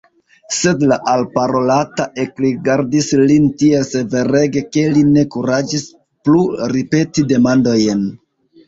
Sed la alparolata ekrigardis lin tiel severege, ke li ne kuraĝis plu ripeti demandojn.